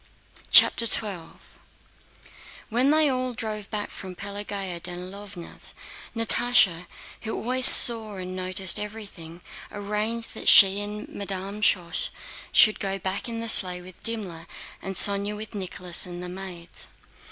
CHAPTER XII When they all drove back from Pelagéya Danílovna's, Natásha, who always saw and noticed everything, arranged that she and Madame Schoss should go back in the sleigh with Dimmler, and Sónya with Nicholas and the maids.